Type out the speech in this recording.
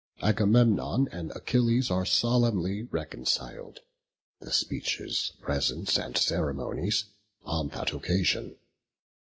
Agamemnon and Achilles are solemnly reconciled: the speeches, presents, and ceremonies on that occasion.